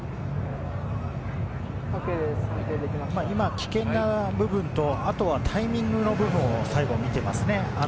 今、危険な部分と、あとはタイミングの部分を最後、見ていますね。